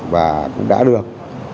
và cũng đã được